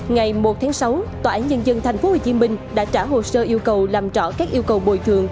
ngày một tháng sáu tòa án nhân dân tp hcm đã trả hồ sơ yêu cầu làm rõ các yêu cầu bồi thường